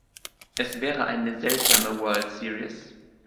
Es wäre eine seltsame World Series.